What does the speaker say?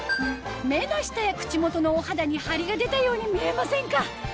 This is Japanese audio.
目の下や口元のお肌にハリが出たように見えませんか？